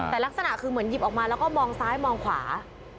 แต่ลักษณะคือเหมือนหยิบออกมาแล้วก็มองซ้ายมองขวา